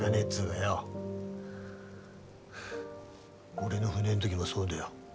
俺の船ん時もそうだよ。